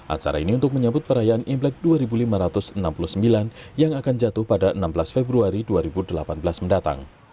acara ini untuk menyambut perayaan imlek dua ribu lima ratus enam puluh sembilan yang akan jatuh pada enam belas februari dua ribu delapan belas mendatang